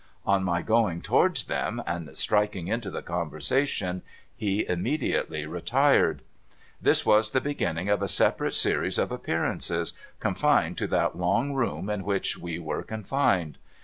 On my going towards them, and striking into the conversation, he im mediately retired. This was the beginning of a separate series of appearances, confined to that long room in v.hich we were confined.